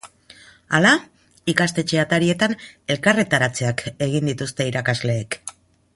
Hala, ikastetxe atarietan elkarretaratzeak egin dituzte irakasleek.